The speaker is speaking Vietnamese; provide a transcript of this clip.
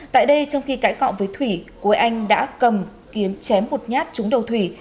tại đây trong khi cãi cọng với thủy quế anh đã cầm kiếm chém hụt nhát trúng đầu thủy